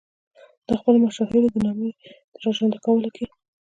د خپلو مشاهیرو د نامې را ژوندي کولو کې.